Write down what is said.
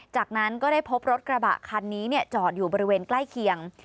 จากนั้นก็ได้พบรถกระบะคันนี้จอดอยู่บริเวณใกล้เคียง